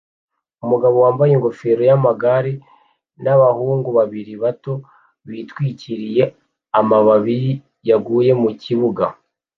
Umugabo wambaye ingofero yamagare nabahungu babiri bato bitwikiriye amababi yaguye mukibuga